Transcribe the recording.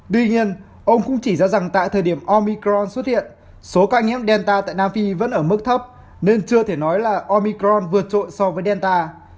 tuy nhiên ông cũng chỉ ra rằng tại thời điểm omicron xuất hiện số ca nhiễm delta tại nam phi vẫn ở mức thấp nên chưa thể nói là omicron vượt trội so với delta